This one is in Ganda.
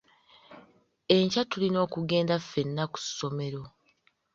Enkya tulina okugenda ffenna ku ssomero.